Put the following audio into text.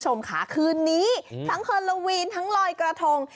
คุณผู้ชมค่ะคืนนี้ทั้งฮอลโลวีนทั้งลอยกระทง